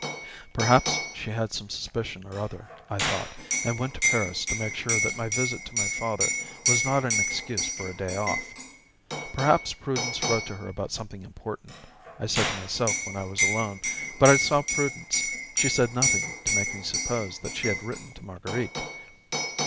Perhaps she had some suspicion or other, I thought, and went to Paris to make sure that my visit to my father was not an excuse for a day off. Perhaps Prudence wrote to her about something important. I said to myself when I was alone; but I saw Prudence; she said nothing to make me suppose that she had written to Marguerite.